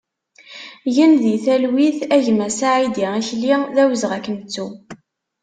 Gen di talwit a gma Saïdi Akli, d awezɣi ad k-nettu!